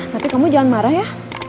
tapi kamu jangan marah ya